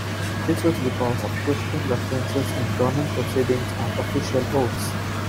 This was because of Christian references in government proceedings and official oaths.